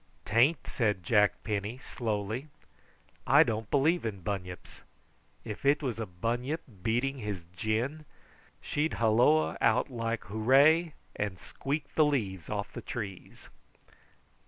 "'Taint," said Jack Penny slowly. "I don't believe in bunyips. If it was a bunyip beating his gin, she'd holloa out like hooray, and squeak the leaves off the trees."